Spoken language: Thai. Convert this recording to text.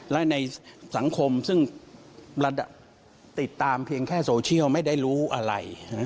และในสังคมซึ่งติดตามเพียงแค่โซเชียลไม่ได้รู้อะไร